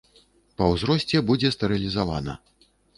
Па ўзросце будзе стэрылізавана.